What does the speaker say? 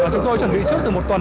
chúng tôi chuẩn bị trước từ một tuần